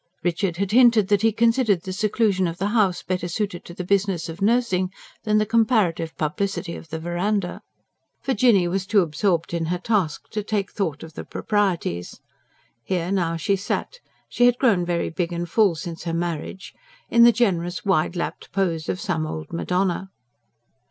Richard had hinted that he considered the seclusion of the house better suited to the business of nursing than the comparative publicity of the verandah; for Jinny was too absorbed in her task to take thought for the proprieties. Here now she sat she had grown very big and full since her marriage in the generous, wide lapped pose of some old Madonna.